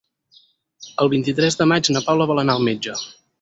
El vint-i-tres de maig na Paula vol anar al metge.